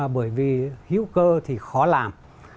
bởi vì hữu cơ thì khó làm